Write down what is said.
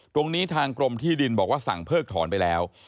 ตรงนี้ทางกรมที่ดินบอกว่าสั่งเพิกถอนไปแล้ว